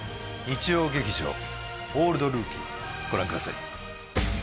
日曜劇場「オールドルーキー」ご覧ください